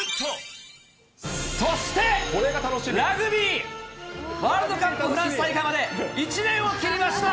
そして、ラグビー、ワールドカップフランス大会まで１年を切りました。